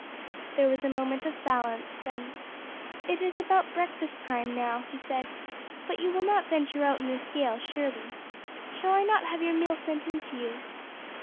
There was a moment of silence; then, "It is about breakfast time now," he said, "but you will not venture out in this gale, surely? Shall I not have your meal sent in to you?"